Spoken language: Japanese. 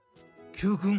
Ｑくん